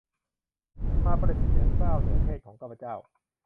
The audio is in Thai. มาประสิทธิเหนือเกล้าเหนือเกศของข้าพเจ้า